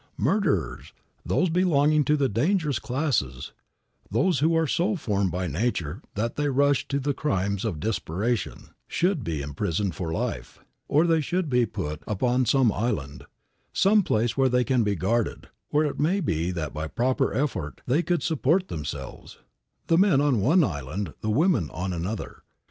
Murderers, those belonging to the dangerous classes, those who are so formed by nature that they rush to the crimes of desperation, should be imprisoned for life; or they should be put upon some island, some place where they can be guarded, where it may be that by proper effort they could support themselves; the men on one island, the women on another.